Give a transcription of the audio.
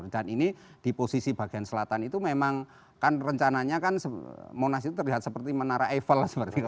dan ini di posisi bagian selatan itu memang kan rencananya kan monas itu terlihat seperti menara eiffel